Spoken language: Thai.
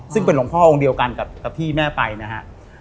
ซึ่งเป็นหลวงพ่อองค์เดียวกันกับที่แม่ไปนะฮะ